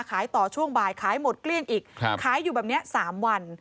ขายต่อช่วงบ่ายขายหมดเกลี้ยงอีกขายอยู่แบบนี้๓วัน